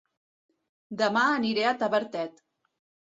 Dema aniré a Tavertet